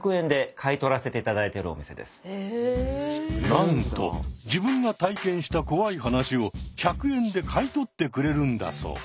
なんと自分が体験した怖い話を１００円で買い取ってくれるんだそう。